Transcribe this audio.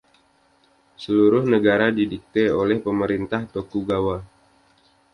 Seluruh negara didikte oleh pemerintah Tokugawa.